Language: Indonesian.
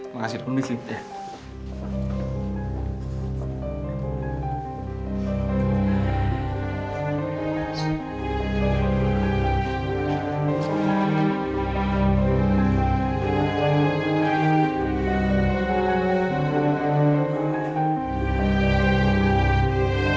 makasih dokum disini